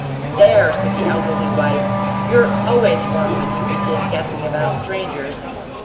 "There!" said the elderly wife. "You're always wrong when you begin guessing about strangers.